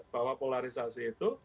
bahwa polarisasi itu